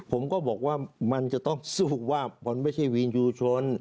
ผมก็บอกว่ามันจะต้องสู้ว่ามันไม่ใช่วีนยูชน